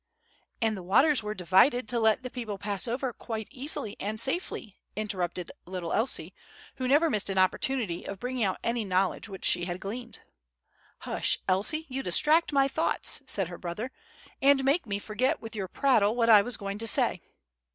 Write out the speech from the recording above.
"And the waters were divided to let the people pass over quite easily and safely," interrupted little Elsie, who never missed an opportunity of bringing out any knowledge which she had gleaned. "Hush, Elsie! you distract my thoughts," said her brother, "and make me forget with your prattle what I was going to say.